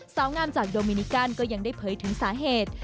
สาวงามจากโดมินิกันก็ยังได้เผยถึงสาเหตุ